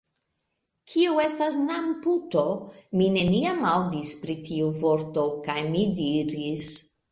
Kio estas namputo? Mi neniam aŭdis pri tiu vorto. kaj mi diris: